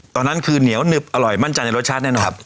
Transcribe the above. ตอนนั้นคือเหนียวหนึบอร่อยมั่นใจในรสชาติแน่นอน